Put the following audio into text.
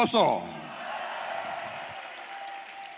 putra jaya husin